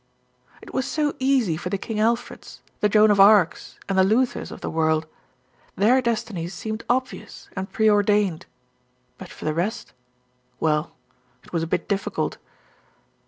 It was so easy for the King Alfreds, the Joan of Arcs and the Luthers of the world. Their destinies seemed obvious and pre ordained; but for the rest, well, it was a bit difficult.